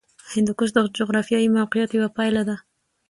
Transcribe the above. هندوکش د جغرافیایي موقیعت یوه پایله ده.